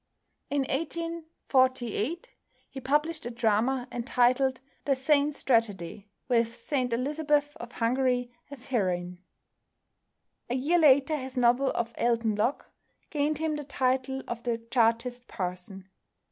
In 1848 he published a drama entitled "The Saint's Tragedy," with St Elizabeth of Hungary as heroine. A year later his novel of "Alton Locke" gained him the title of "The Chartist Parson."